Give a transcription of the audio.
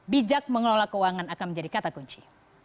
bijak mengelola keuangan akan menjadi kata kunci